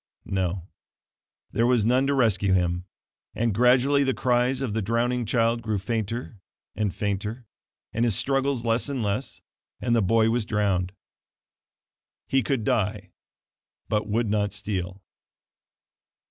No; there was none to rescue him; and gradually the cries of the drowning child grew fainter and fainter, and his struggles less and less, and the boy was drowned. He could die, but would not steal.